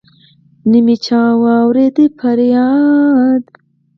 نه مي چا واوريد فرياد